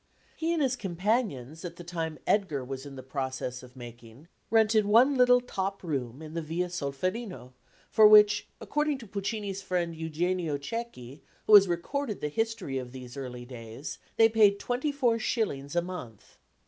He and his companions at the time Edgar was in the process of making rented one little top room in the Via Solferino, for which, according to Puccini's friend Eugenio Checchi, who has recorded the history of these early days, they paid twenty four shillings a month.